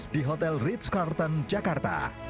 di hotel ritz carton jakarta